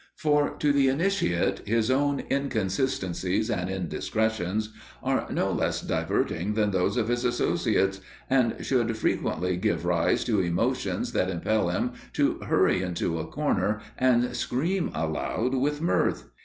For, to the initiate, his own inconsistencies and indiscretions are no less diverting than those of his associates, and should frequently give rise to emotions that impel him to hurry into a corner and scream aloud with mirth.